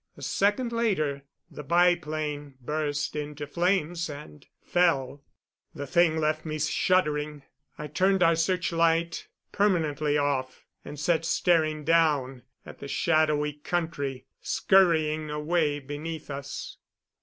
A second later the biplane burst into flames and fell. The thing left me shuddering. I turned our searchlight permanently off and sat staring down at the shadowy country scurrying away beneath us.